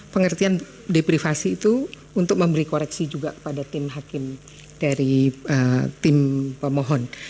pengertian deprivasi itu untuk memberi koreksi juga pada tim hakim dari tim pemohon